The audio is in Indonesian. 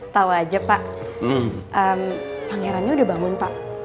tahu aja pak pangerannya udah bangun pak